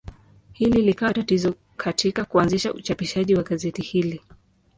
Hili likawa tatizo katika kuanzisha uchapishaji wa gazeti hili.